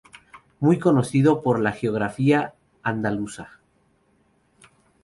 Muy conocido por la geografía andaluza.